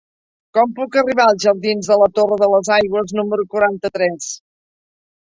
Com puc arribar als jardins de la Torre de les Aigües número quaranta-tres?